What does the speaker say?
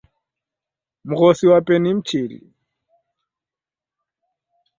Mghosi wape ni mchili.